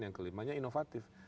yang kelimanya inovatif